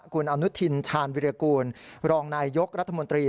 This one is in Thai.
คุณอนุทินชาญวิรากูลรองนายยกรัฐมนตรี